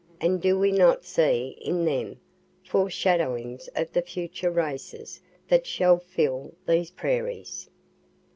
And do we not see, in them, foreshadowings of the future races that shall fill these prairies?